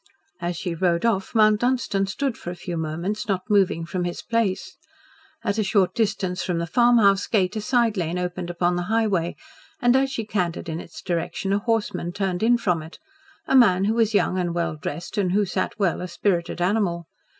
As she rode off Mount Dunstan stood for a few moments, not moving from his place. At a short distance from the farmhouse gate a side lane opened upon the highway, and as she cantered in its direction a horseman turned in from it a man who was young and well dressed and who sat well a spirited animal.